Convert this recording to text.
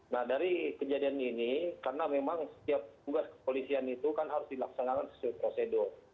nah dari kejadian ini karena memang setiap tugas kepolisian itu kan harus dilaksanakan sesuai prosedur